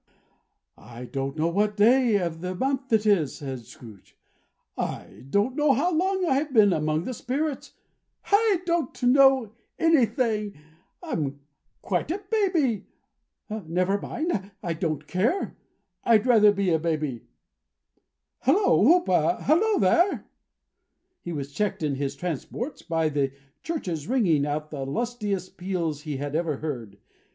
"I don't know what day of the month it is," said Scrooge. "I don't know how long I have been among the Spirits. I don't know anything. I'm quite a baby. Never mind. I don't care. I'd rather be a baby. Hallo! Whoop! Hallo here!" He was checked in his transports by the churches ringing out the lustiest peals he had ever heard.